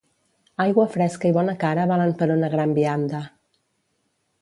Aigua fresca i bona cara valen per una gran vianda.